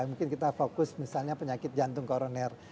mungkin kita fokus misalnya penyakit jantung koroner